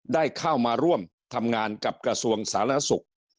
ได้เข้ามาร่วมทำงานกับกระทรวงสาธารณสุข